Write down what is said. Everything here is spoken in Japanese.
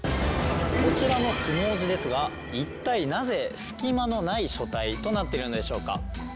こちらの相撲字ですが一体なぜすき間のない書体となっているのでしょうか？